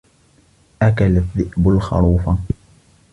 أَكَلَ الذِّئْبُ الْخَرُوفَ.